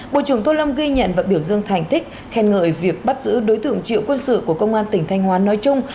bộ trưởng tô lâm ghi nhận và biểu dương thành tích khen ngợi việc bắt giữ đối tượng triệu quân sự của công an tỉnh thanh hóa nói chung